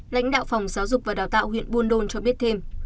lãnh đạo phòng giáo dục và đào tạo huyện buôn đôn cho biết thêm